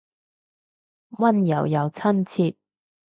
溫柔又親切